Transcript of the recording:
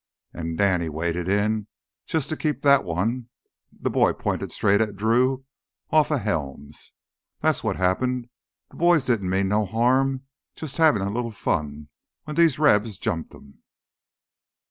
An' Danny waded in jus' to keep that one"—the boy pointed straight at Drew—"offa Helms. That's what happened. Th' boys didn't mean no harm—jus' havin' a little fun—when these Rebs jumped 'em!"